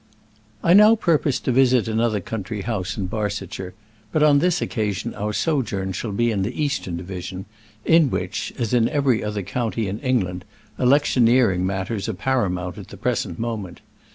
I now purpose to visit another country house in Barsetshire, but on this occasion our sojourn shall be in the eastern division, in which, as in every other county in England, electioneering matters are paramount at the present moment.